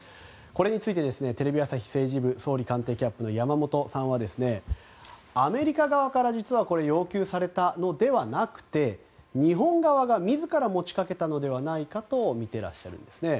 これについて、テレビ朝日政治部総理官邸キャップの山本さんは、アメリカ側から要求されたのではなくて日本側が自ら持ちかけたのではないかとみていらっしゃるんです。